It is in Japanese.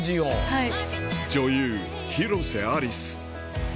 はい。